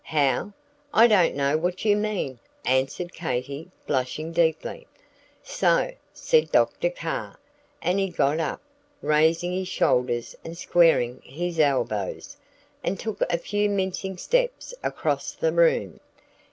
"How? I don't know what you mean," answered Katy, blushing deeply. "So," said Dr. Carr; and he got up, raising his shoulders and squaring his elbows, and took a few mincing steps across the room.